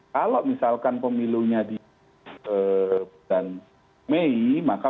kalau misalkan pemilunya di bulan mei maka